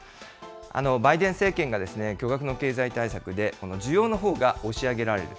バイデン政権が巨額の経済対策で需要のほうが押し上げられる。